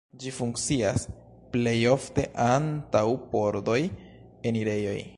Ĝi funkcias plej ofte antaŭ pordoj, enirejoj.